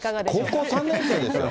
高校３年生ですよ。